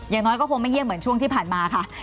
อย่างน้อยก็คงไม่เงียบเหมือนช่วงที่ผ่านมาค่ะ